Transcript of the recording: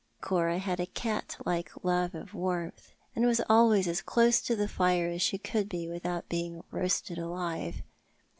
Cora had a cat like love of warmth, aud was always as close to the fire as she could be without being roasted alive.